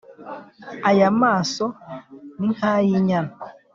aya maso ni nk’ayi inyana